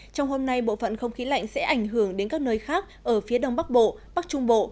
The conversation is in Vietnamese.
trong hôm nay bộ phận không khí lạnh sẽ ảnh hưởng đến các nơi khác ở phía đông bắc bộ bắc trung bộ